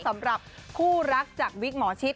สำหรับคู่รักจากวิกหมอชิด